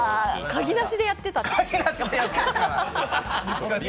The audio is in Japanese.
鍵なしでやってた。